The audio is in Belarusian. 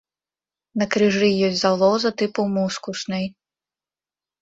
На крыжы ёсць залоза тыпу мускуснай.